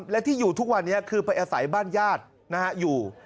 และที่อยู่ทุกวันนี้คือไปอาศัยบ้านญาติอยู่